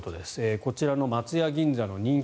こちらの松屋銀座の人気